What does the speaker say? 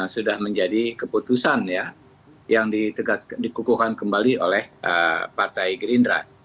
sudah menjadi keputusan ya yang dikukuhkan kembali oleh partai gerindra